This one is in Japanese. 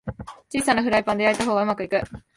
小さなフライパンで焼いた方がうまくいく